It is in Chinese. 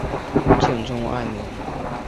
建中二年。